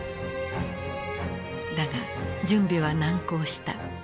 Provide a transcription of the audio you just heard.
だが準備は難航した。